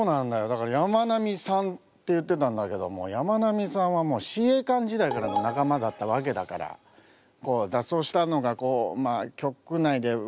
だから「山南さん」って言ってたんだけども山南さんは試衛館時代からの仲間だったわけだから脱走したのが局内で広がるわけよ話が。